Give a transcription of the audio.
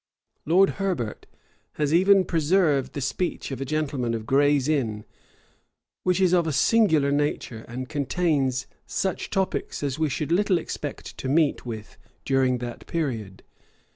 Lord Herbert [] has even preserved the speech of a gentleman of Gray's Inn, which is of a singular nature, and contains such topics as we should little expect to meet with during that period.